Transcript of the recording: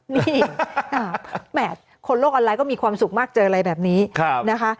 นี่แหมคนโลกออนไลน์ก็มีความสุขมากเจออะไรแบบนี้นะคะ